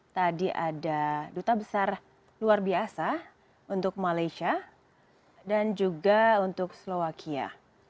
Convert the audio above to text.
tadi ada duta besar luar biasa untuk malaysia dan juga untuk slovakia